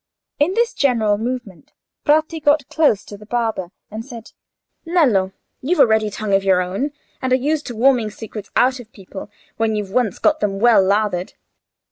In this general movement, Bratti got close to the barber, and said— "Nello, you've a ready tongue of your own, and are used to worming secrets out of people when you've once got them well lathered.